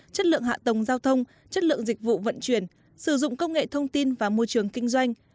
chất lượng hạ tầng giao thông chất lượng dịch vụ vận chuyển sử dụng công nghệ thông tin và môi trường kinh doanh